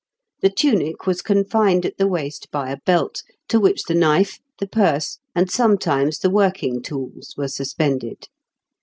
The tunic was confined at the waist by a belt, to which the knife, the purse, and sometimes the working tools were suspended.